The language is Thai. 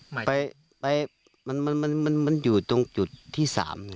ไม่ไปไปมันมันมันอยู่ตรงจุดที่๓